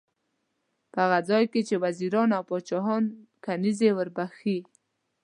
په هر ځای کې وزیران او پاچاهان کنیزي ور بخښي.